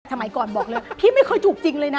สมัยก่อนบอกเลยพี่ไม่เคยถูกจริงเลยนะ